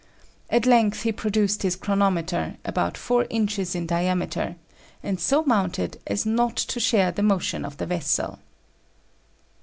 At length he produced his chronometer, about four inches in diameter, and so mounted as not to share the motion of the vessel.